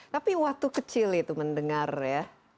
tapi waktu kecil itu mendengar ya